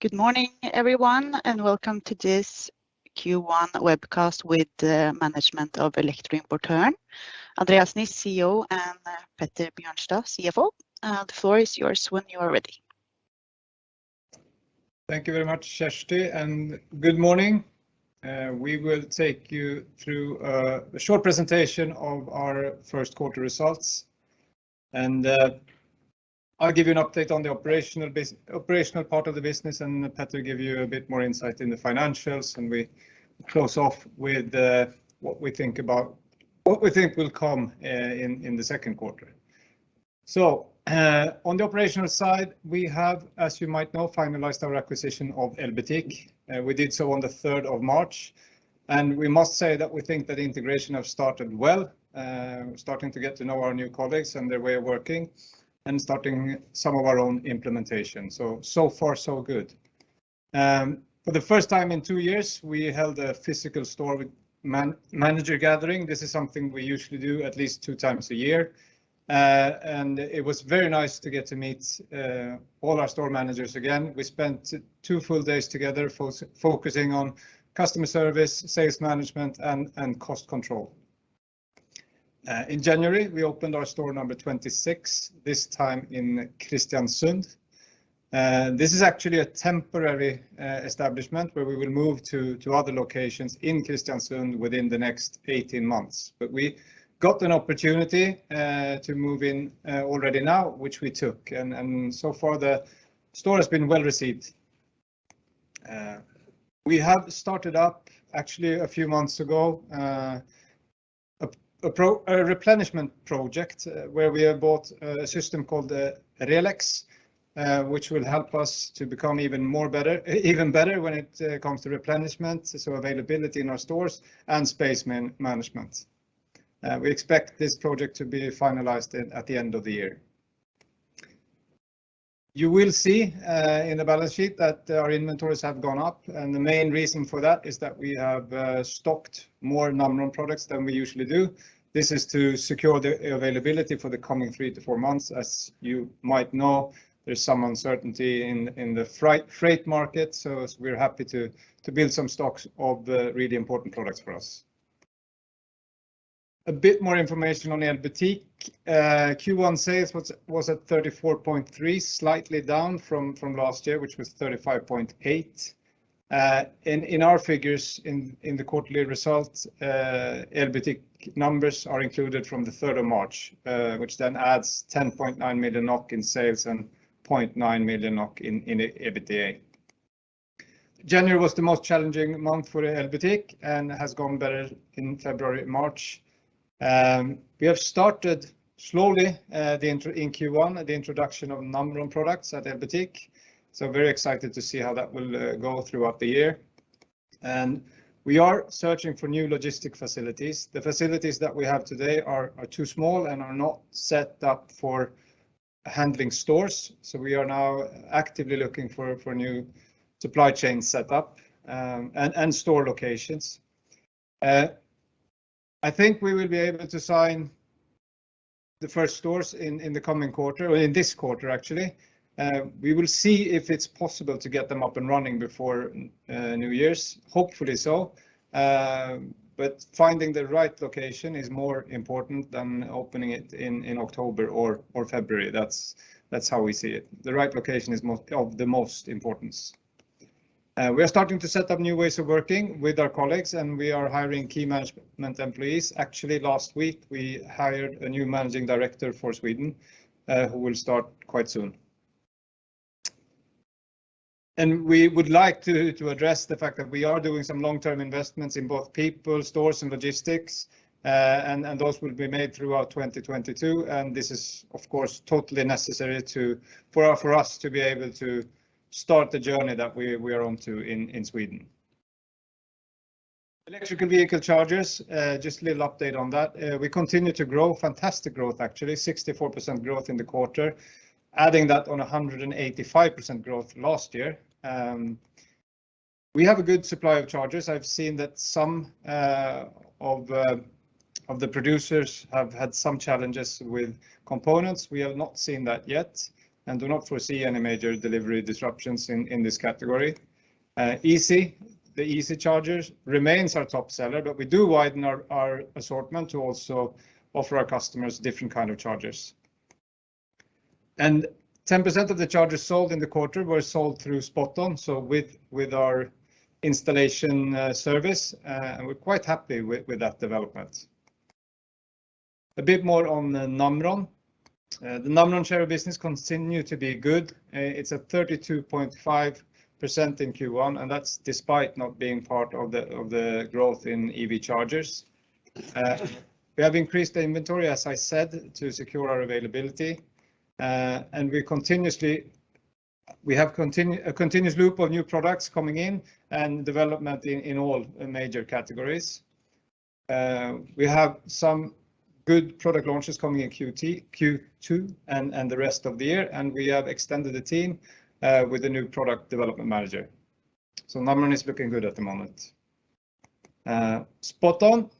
Good morning, everyone, and welcome to this Q1 Webcast with the management of Elektroimportøren AS. Andreas Niss, CEO, and Petter Bjørnstad, CFO. The floor is yours when you're ready. Thank you very much, Kjersti, and good morning. We will take you through a short presentation of our first quarter results, and I'll give you an update on the operational part of the business, and Petter give you a bit more insight in the financials. We close off with what we think will come in the second quarter. On the operational side, we have, as you might know, finalized our acquisition of EL-Butikk. We did so on the 3rd of March, and we must say that we think that the integration have started well. Starting to get to know our new colleagues and their way of working and starting some of our own implementation. So far so good. For the first time in two years, we held a physical store manager gathering. This is something we usually do at least two times a year. It was very nice to get to meet all our store managers again. We spent two full days together focusing on customer service, sales management, and cost control. In January, we opened our store number 26, this time in Kristiansund. This is actually a temporary establishment where we will move to other locations in Kristiansund within the next 18 months. We got an opportunity to move in already now, which we took, and so far the store has been well received. We have started up, actually a few months ago, a pro... A replenishment project, where we have bought a system called RELEX, which will help us to become even better when it comes to replenishment, so availability in our stores, and space management. We expect this project to be finalized at the end of the year. You will see in the balance sheet that our inventories have gone up, and the main reason for that is that we have stocked more Namron products than we usually do. This is to secure the availability for the coming three to four months. As you might know, there's some uncertainty in the freight market, so we're happy to build some stocks of the really important products for us. A bit more information on EL-Butikk. Q1 sales was at 34.3, slightly down from last year, which was 35.8. In our figures in the quarterly results, EL-Butikk numbers are included from the 3rd of March, which then adds 10.9 million NOK in sales and 0.9 million NOK in EBITDA. January was the most challenging month for EL-Butikk and has gone better in February, March. We have started slowly in Q1, the introduction of Namron products at EL-Butikk, so very excited to see how that will go throughout the year. We are searching for new logistic facilities. The facilities that we have today are too small and are not set up for handling stores, so we are now actively looking for new supply chain setup, and store locations. I think we will be able to sign the first stores in the coming quarter, or in this quarter, actually. We will see if it's possible to get them up and running before New Year's. Hopefully so, but finding the right location is more important than opening it in October or February. That's how we see it. The right location is most of the most importance. We are starting to set up new ways of working with our colleagues, and we are hiring key management employees. Actually, last week we hired a new managing director for Sweden, who will start quite soon. We would like to address the fact that we are doing some long-term investments in both people, stores, and logistics, and those will be made throughout 2022. This is of course totally necessary for us to be able to start the journey that we are onto in Sweden. Electric vehicle chargers, just a little update on that. We continue to grow. Fantastic growth, actually. 64% growth in the quarter. Adding that on 185% growth last year. We have a good supply of chargers. I've seen that some of the producers have had some challenges with components. We have not seen that yet and do not foresee any major delivery disruptions in this category. The Easee chargers remains our top seller, but we do widen our assortment to also offer our customers different kind of chargers. 10% of the chargers sold in the quarter were sold through SpotOn, so with our installation service, and we're quite happy with that development. A bit more on the Namron. The Namron share of business continue to be good. It's at 32.5% in Q1, and that's despite not being part of the growth in EV chargers. We have increased the inventory, as I said, to secure our availability, and we have a continuous loop of new products coming in and development in all major categories. We have some good product launches coming in Q2 and the rest of the year, and we have extended the team with a new product development manager. Namron is looking good at the moment. SpotOn,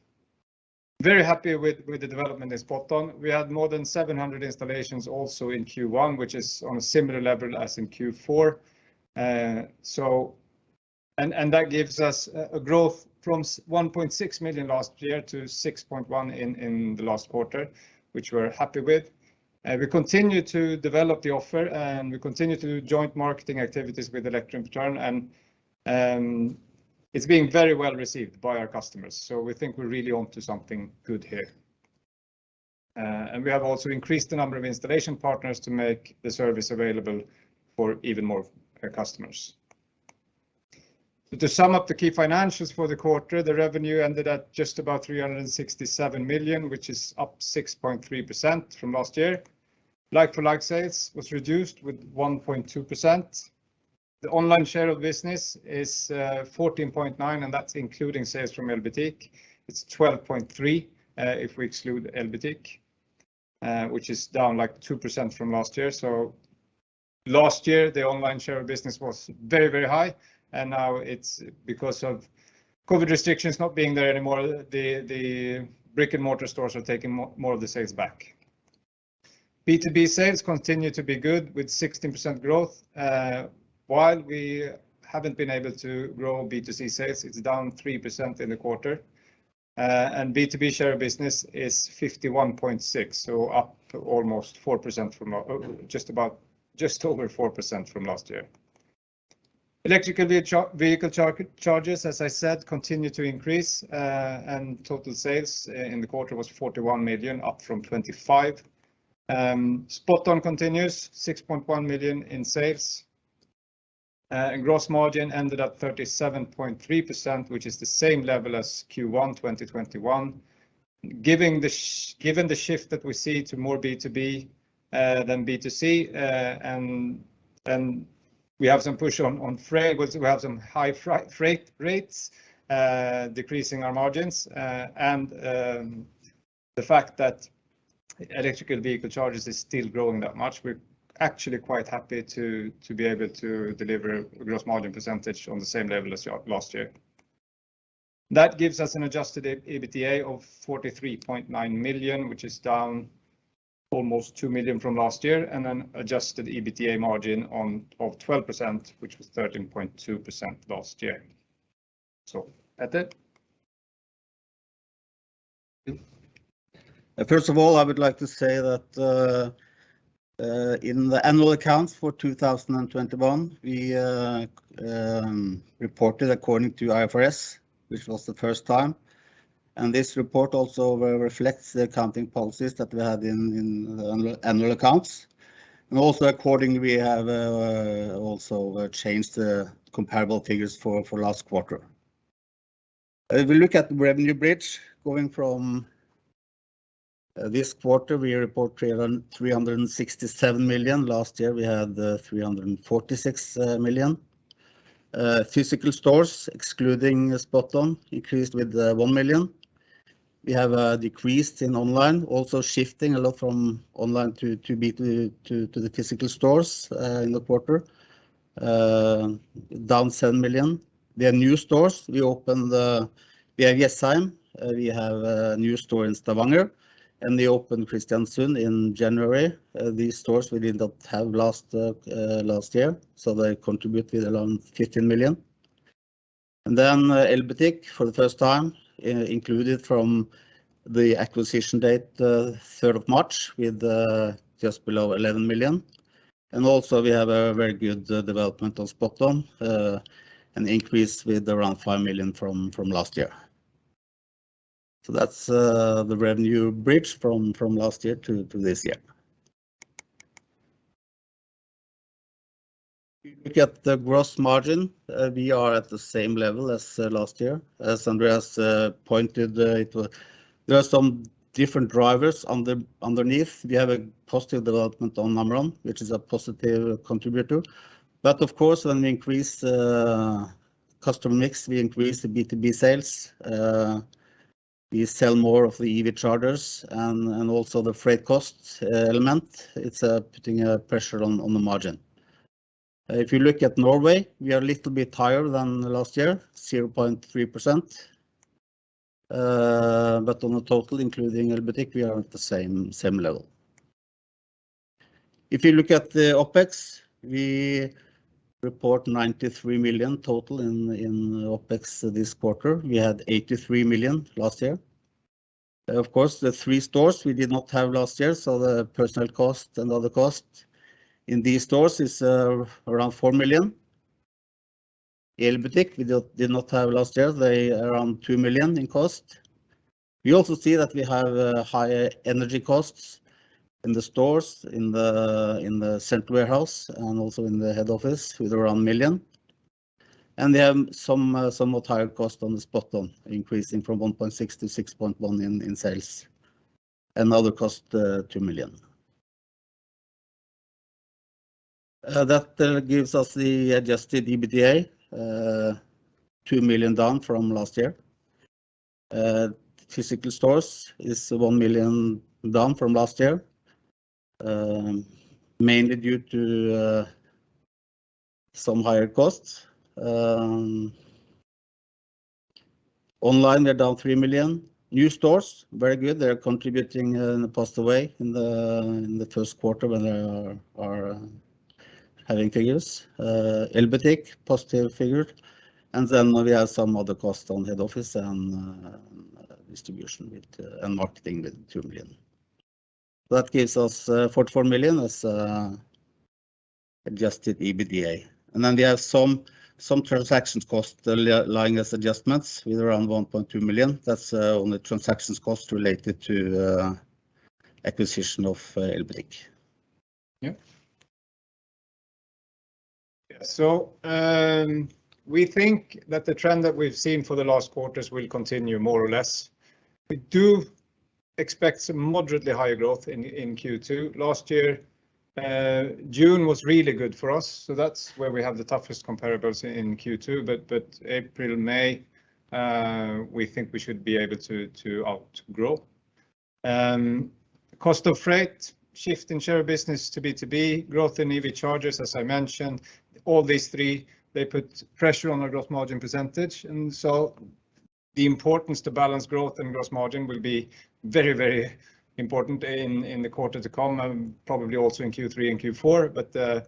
very happy with the development in SpotOn. We had more than 700 installations also in Q1, which is on a similar level as in Q4. That gives us a growth from 1.6 million last year to 6.1 million in the last quarter, which we're happy with. We continue to develop the offer, and we continue to do joint marketing activities with Easee. It's being very well received by our customers. We think we're really onto something good here. We have also increased the number of installation partners to make the service available for even more customers. To sum up the key financials for the quarter, the revenue ended at just about 367 million, which is up 6.3% from last year. Like-for-like sales was reduced with 1.2%. The online share of business is 14.9%, and that's including sales from EL-Butikk. It's 12.3% if we exclude EL-Butikk, which is down, like, 2% from last year. Last year, the online share of business was very, very high, and now it's because of COVID restrictions not being there anymore, the brick-and-mortar stores are taking more of the sales back. B2B sales continue to be good with 16% growth. While we haven't been able to grow B2C sales, it's down 3% in the quarter. B2B share of business is 51.6%, so up almost 4% from last year, just about, just over 4% from last year. Electric vehicle chargers, as I said, continue to increase. Total sales in the quarter was 41 million, up from 25 million. SpotOn continues, 6.1 million in sales. Gross margin ended at 37.3%, which is the same level as Q1 2021. Given the shift that we see to more B2B than B2C, and then we have some pressure on freight. We have some high freight rates decreasing our margins. The fact that EV chargers is still growing that much, we're actually quite happy to be able to deliver a gross margin percentage on the same level as last year. That gives us an adjusted EBITDA of 43.9 million, which is down almost 2 million from last year, and an adjusted EBITDA margin of 12%, which was 13.2% last year. Petter. Thank you. First of all, I would like to say that in the annual accounts for 2021, we reported according to IFRS, which was the first time, and this report also reflects the accounting policies that we had in the annual accounts. Also accordingly, we have also changed the comparable figures for last quarter. If we look at the revenue bridge going from this quarter, we report 367 million. Last year, we had 346 million. Physical stores, excluding SpotOn, increased with 1 million. We have decreased in online, also shifting a lot from online to B2 to the physical stores in the quarter down 7 million. There are new stores. We opened, we have Jessheim. We have a new store in Stavanger, and we opened Kristiansund in January. These stores we did not have last year, so they contributed around 15 million. Then, EL-Butikk, for the first time, included from the acquisition date, 3rd of March, with just below 11 million. Also, we have a very good development on SpotOn, an increase with around 5 million from last year. That's the revenue bridge from last year to this year. If we look at the gross margin, we are at the same level as last year. As Andreas pointed out, there are some different drivers underneath. We have a positive development on Namron, which is a positive contributor. Of course, when we increase customer mix, we increase the B2B sales. We sell more of the EV chargers and also the freight cost element. It's putting pressure on the margin. If you look at Norway, we are a little bit higher than last year, 0.3%. On the total, including EL-Butikk, we are at the same level. If you look at the OpEx, we report 93 million total in OpEx this quarter. We had 83 million last year. Of course, the three stores we did not have last year, so the personnel cost and other costs in these stores is around 4 million. EL-Butikk, we did not have last year. They are around 2 million in cost. We also see that we have higher energy costs in the stores, in the central warehouse, and also in the head office with around 1 million. We have some somewhat higher cost on the SpotOn, increasing from 1.6 million to 6.1 million in sales, and other cost 2 million. That gives us the adjusted EBITDA 2 million down from last year. Physical stores is 1 million down from last year, mainly due to some higher costs. Online they're down 3 million. New stores, very good. They're contributing in a positive way in the first quarter when they are having figures. EL-Butikk, positive figure. Then we have some other costs on head office and distribution with and marketing with 2 million. That gives us 44 million as adjusted EBITDA. Then we have some transactions cost lying as adjustments with around 1.2 million. That's only transactions cost related to acquisition of EL-Butikk. Yeah. We think that the trend that we've seen for the last quarters will continue more or less. We do expect some moderately higher growth in Q2. Last year, June was really good for us, so that's where we have the toughest comparables in Q2, but April, May, we think we should be able to outgrow. Cost of freight, shift in share business to B2B, growth in EV chargers, as I mentioned, all these three, they put pressure on our gross margin percentage, and so the importance to balance growth and gross margin will be very, very important in the quarter to come, probably also in Q3 and Q4.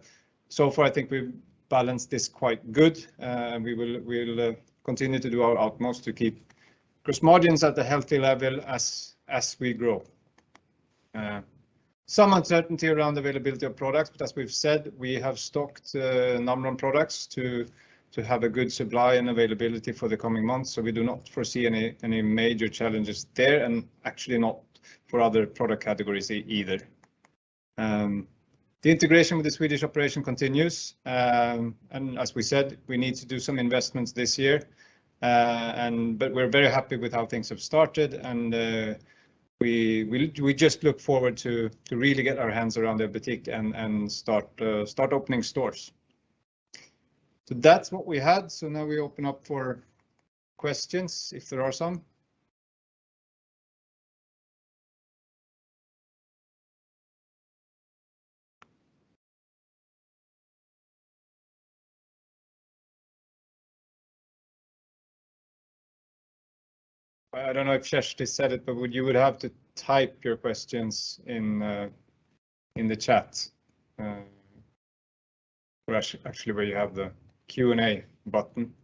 So far I think we've balanced this quite good, and we'll continue to do our utmost to keep gross margins at a healthy level as we grow. Some uncertainty around availability of products, but as we've said, we have stocked Namron products to have a good supply and availability for the coming months, so we do not foresee any major challenges there, and actually not for other product categories either. The integration with the Swedish operation continues, and as we said, we need to do some investments this year. But we're very happy with how things have started, and we just look forward to really get our hands around EL-Butikk and start opening stores. That's what we had, now we open up for questions, if there are some. I don't know if Kjersti said it, but you would have to type your questions in the chat, or actually where you have the Q&A button,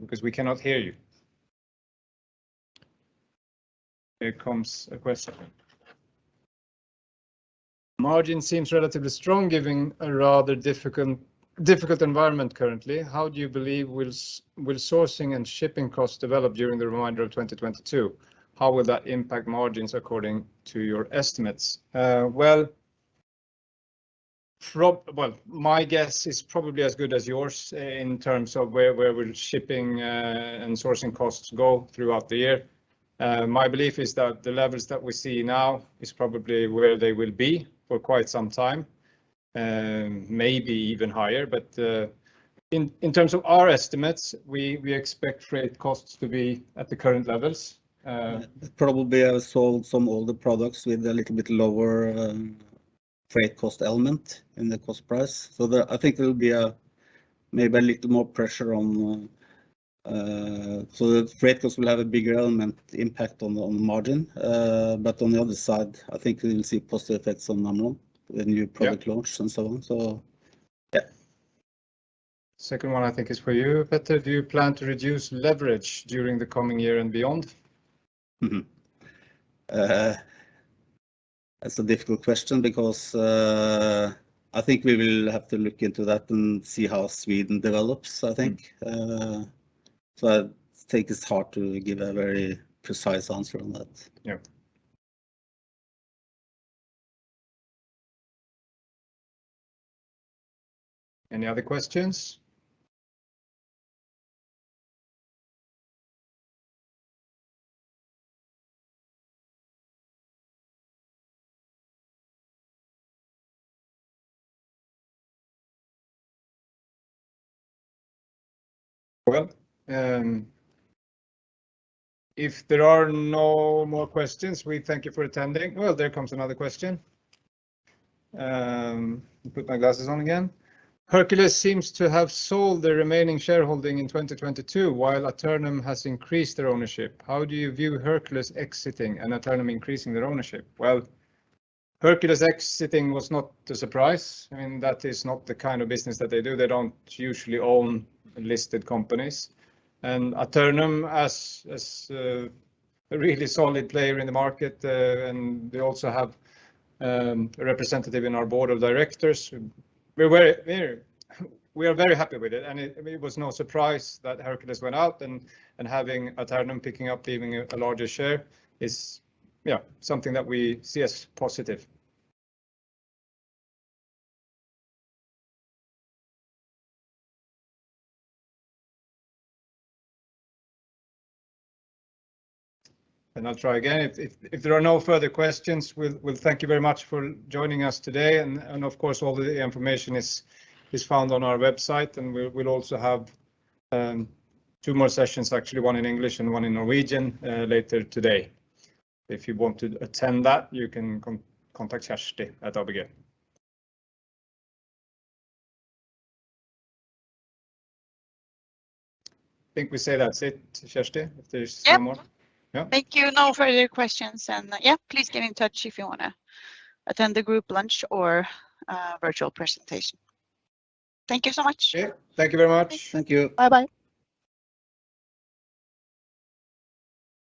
because we cannot hear you. Here comes a question. Margin seems relatively strong given a rather difficult environment currently. How do you believe will sourcing and shipping costs develop during the remainder of 2022? How will that impact margins according to your estimates? Well, my guess is probably as good as yours in terms of where will shipping and sourcing costs go throughout the year. My belief is that the levels that we see now is probably where they will be for quite some time, maybe even higher. In terms of our estimates, we expect freight costs to be at the current levels. Probably have sold some older products with a little bit lower freight cost element in the cost price. I think there'll be a maybe a little more pressure on so the freight costs will have a bigger element impact on margin. On the other side, I think we'll see positive effects on Namron with new product. Yeah launch and so on. Yeah. Second one I think is for you, Petter. Do you plan to reduce leverage during the coming year and beyond? That's a difficult question because I think we will have to look into that and see how Sweden develops, I think. Mm. I think it's hard to give a very precise answer on that. Yeah. Any other questions? Well, if there are no more questions, we thank you for attending. Oh, there comes another question. Put my glasses on again. Herkules seems to have sold their remaining shareholding in 2022, while Aeternum has increased their ownership. How do you view Herkules exiting and Aeternum increasing their ownership? Well, Herkules exiting was not a surprise. I mean, that is not the kind of business that they do. They don't usually own listed companies. Aeternum as a really solid player in the market, and they also have a representative in our board of directors. We are very happy with it, and it was no surprise that Herkules went out and having Aeternum picking up even a larger share is, yeah, something that we see as positive. I'll try again. If there are no further questions, we'll thank you very much for joining us today and of course all the information is found on our website, and we'll also have two more sessions actually, one in English and one in Norwegian, later today. If you want to attend that, you can contact Kjersti at ABG. I think we say that's it, Kjersti, if there's no more. Yep. Yeah. Thank you. No further questions, and yeah, please get in touch if you wanna attend the group lunch or virtual presentation. Thank you so much. Sure. Thank you very much. Thank you. Bye-bye.